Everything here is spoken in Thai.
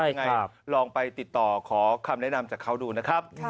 ยังไงลองไปติดต่อขอคำแนะนำจากเขาดูนะครับ